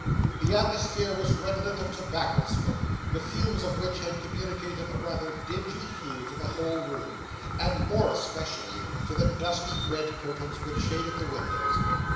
The atmosphere was redolent of tobacco smoke, the fumes of which had communicated a rather dingy hue to the whole room, and more especially to the dusty red curtains which shaded the windows.